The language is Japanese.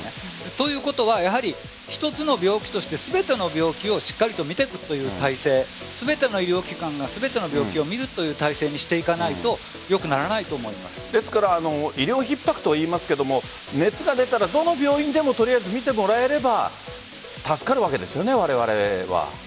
ということはやはり一つの病気として全ての病気をしっかりと診ていくという体制全ての医療機関がすべての病気を診るという体制にしていかないと医療ひっ迫といいますが熱が出たら、どの病院でもとりあえず診てもらえればおっしゃるとおりです。